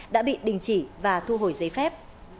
đã bị đình chỉ và thu hồi giấy phép